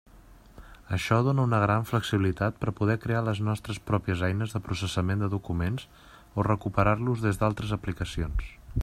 Això dóna una gran flexibilitat per poder crear les nostres pròpies eines de processament de documents o recuperar-los des d'altres aplicacions.